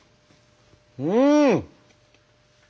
うん！